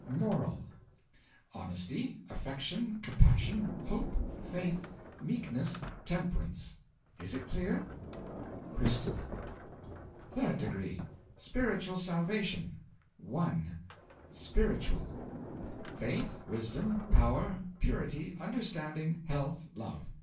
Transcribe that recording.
Moral Honesty, affection, compassion, hope, faith, meekness, temperance. Is it clear?' 'Crystal.' 'THIRD DEGREE: Spiritual Salvation. 1. Spiritual Faith, wisdom, power, purity, understanding, health, love.